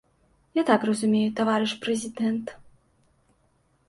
Я так разумею, таварыш прэзідэнт.